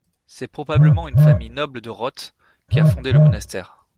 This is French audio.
C'est probablement une famille noble de Roth qui a fondé le monastère.